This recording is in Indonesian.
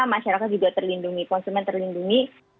masyarakat juga terlindungi konsumen terlindungi